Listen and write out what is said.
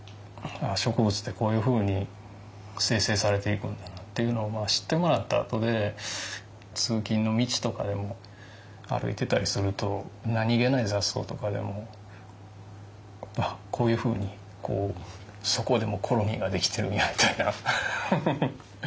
植物ってこういうふうに生成されていくんだなっていうのを知ってもらったあとで通勤の道とかでも歩いてたりすると何気ない雑草とかでもあっこういうふうにそこでもコロニーが出来てるんやみたいな。